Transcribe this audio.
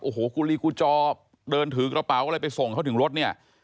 โอ้โหกูลีกูจอเดินถือกระเป๋าอะไรไปส่งเขาถึงรถเนี่ย